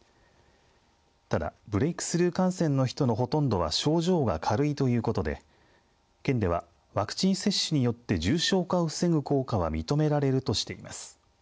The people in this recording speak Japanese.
ただブレイクスルー感染の人のほとんどは症状が軽いということで県ではワクチン接種によって重症化を防ぐ効果は認められるとしています。